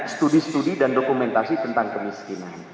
studi studi dan dokumentasi tentang kemiskinan